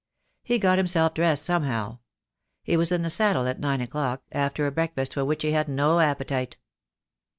He got himself dressed somehow. He was in the saddle at nine o'clock, after a breakfast for which he had no appetite.